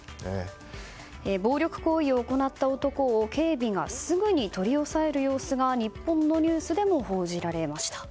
暴力行為を行った男を警備がすぐに取り押さえる様子が日本のニュースでも報じられました。